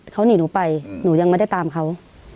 เขาหนีหนูไปหนูยังไม่ได้ตามเขา